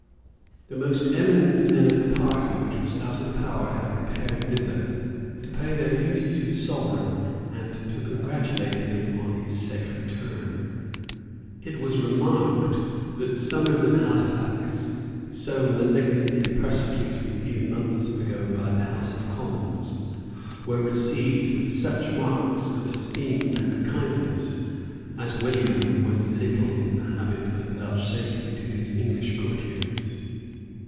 The most eminent men of the party which was out of power had repaired thither, to pay their duty to their sovereign, and to congratulate him on his safe return. It was remarked that Somers and Halifax, so malignantly persecuted a few months ago by the House of Commons, were received with such marks of esteem and kindness as William was little in the habit of vouchsafing to his English courtiers.